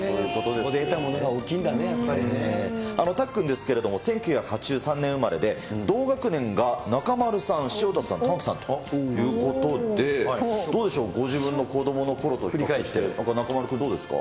そこで得たものが大きいんだたっくんですけれども、１９８３年生まれで、同学年が中丸さん、潮田さん、玉城さんということで、どうでしょう、ご自分の子どものころと比較して、中丸君、どうですか。